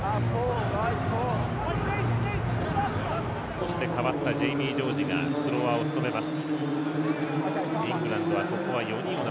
そして代わったジェイミー・ジョージがスロワーを務めます。